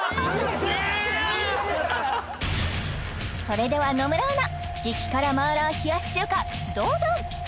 それでは野村アナ激辛マーラー冷やし中華どうぞ！